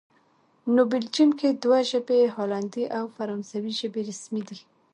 نو بلجیم کې دوه ژبې، هالندي او فرانسوي ژبې رسمي دي